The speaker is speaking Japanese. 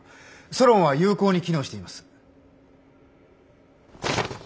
ソロンは有効に機能しています。